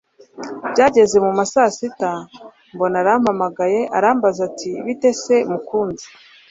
byageze mu ma saa sita mbona arampamagaye arambaza ati bite se mukunzi